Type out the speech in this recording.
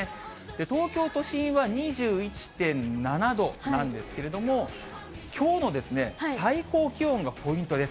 東京都心は２１．７度なんですけれども、きょうの最高気温がポイントです。